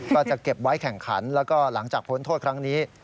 ก็จะเก็บไว้แข่งขันแล้วก็หลังจากพ้นโทษครั้งนี้